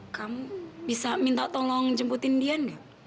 kamu bisa minta tolong jemputin dian nggak